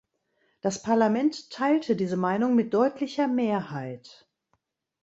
Das Parlament teilte diese Meinung mit deutlicher Mehrheit.